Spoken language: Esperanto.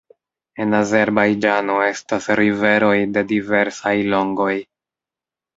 En Azerbajĝano estas riveroj de diversaj longoj.